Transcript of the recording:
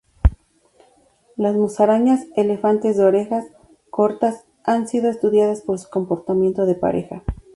Las musarañas elefante de orejas cortas han sido estudiadas por su comportamiento de pareja.